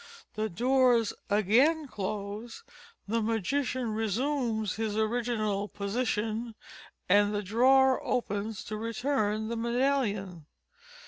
The doors again close, the magician resumes his original position, and the drawer opens to return the medallion.